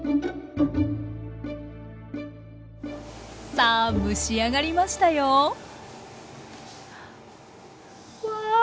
さあ蒸し上がりましたよわあ